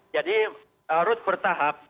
jadi harus bertahap